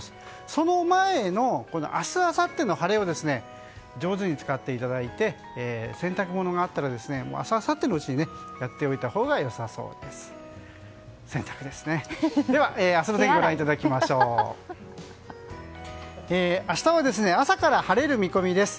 その前の明日、あさっての晴れを上手に使っていただいて洗濯物があったら明日、あさってのうちにやっておいたほうがよさそうです。